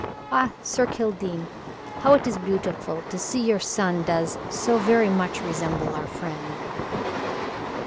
Ah, Sir Kildene, how it is beautiful to see your son does so very much resemble our friend."